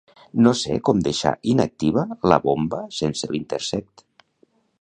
No sé com deixar inactiva la bomba sense l'Intersect.